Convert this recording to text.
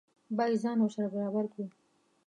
باید ځان ورسره برابر کړو.